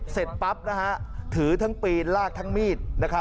เสร็จปั๊บถือทั้งปีนลากทั้งมีด